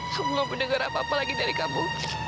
aku nggak mau denger apa apa lagi dari kamu